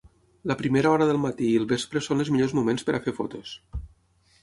La primera hora del matí i el vespre són les millors moments per fer fotos.